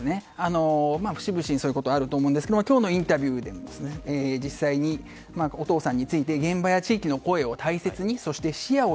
節々にそういうところはあると思いますが今日のインタビューでも実際にお父さんについて現場や地域の声を大切にそして視野を